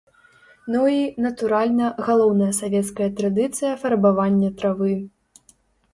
Ну і, натуральна, галоўная савецкая традыцыя фарбавання травы.